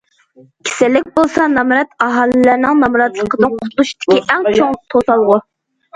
كېسەللىك بولسا، نامرات ئاھالىلەرنىڭ نامراتلىقتىن قۇتۇلۇشتىكى ئەڭ چوڭ توسالغۇ.